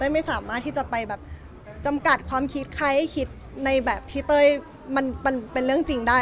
ไม่สามารถที่จะไปแบบจำกัดความคิดใครให้คิดในแบบที่เต้ยมันเป็นเรื่องจริงได้